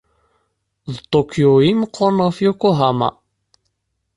D Tokyo i imeqqren ɣef Yokohama.